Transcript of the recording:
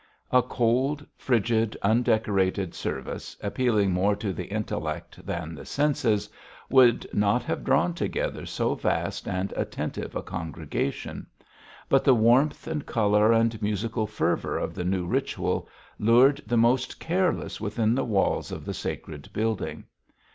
A cold, frigid, undecorated service, appealing more to the intellect than the senses, would not have drawn together so vast and attentive a congregation; but the warmth and colour and musical fervour of the new ritual lured the most careless within the walls of the sacred building.